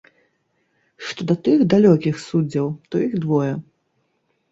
Што да тых, далёкіх, суддзяў, то іх двое.